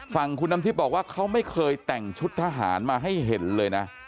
ฝั่งคุณน้ำทิพย์บอกว่าเขาไม่เคยแต่งชุดทหารมาให้เห็นเลยนะ